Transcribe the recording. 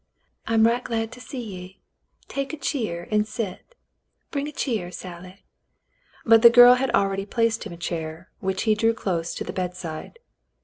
"I'm right glad to see ye. Take a cheer and set. Bring a cheer, Sally." But the girl had already placed him a chair, which he drew close to the bedside.